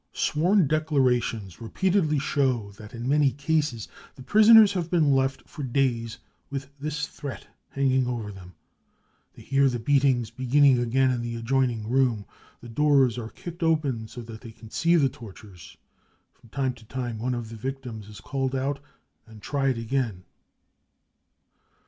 Sworn declarations repeatedly show that in many cases the prisoners have been left for days with this threat hanging over them. They hear the beatings beginning again in the adjoining room. The doors are kicked open, so that they can see the tortures. From time to time one of the victims is called out and *" tried " again.